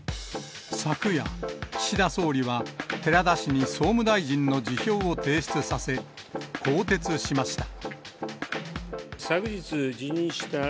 昨夜、岸田総理は寺田氏に総務大臣の辞表を提出させ、更迭しました。